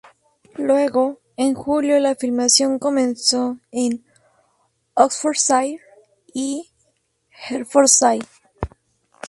Luego, en julio la filmación comenzó en Oxfordshire y Hertfordshire.